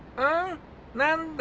何だ？